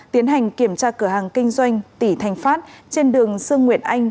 tiến hành kiểm tra cửa hàng kinh doanh tỉ thành phát trên đường sương nguyễn anh